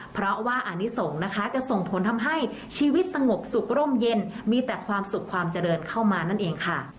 เพราะว่าอนิสงฆ์นะคะจะส่งผลทำให้ชีวิตสงบสุขร่มเย็นมีแต่ความสุขความเจริญเข้ามานั่นเองค่ะ